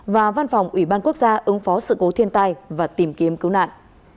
và văn phòng ủy ban quốc gia ứng phó sự cố thiên tai và tìm kiếm cứu nạn